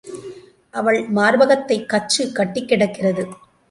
அவள் மார்பகத்தைக் கச்சு கட்டிக் கிடக்கிறது.